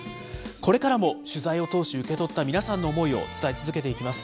これからも取材を通し受け取った皆さんの思いを伝え続けていきます。